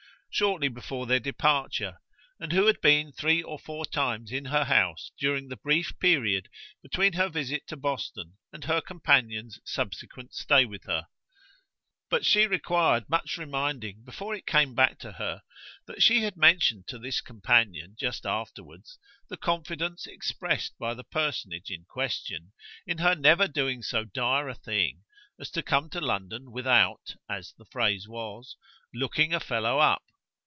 shortly before their departure, and who had been three or four times in her house during the brief period between her visit to Boston and her companion's subsequent stay with her; but she required much reminding before it came back to her that she had mentioned to this companion just afterwards the confidence expressed by the personage in question in her never doing so dire a thing as to come to London without, as the phrase was, looking a fellow up.